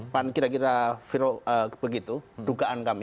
pan kira kira begitu dugaan kami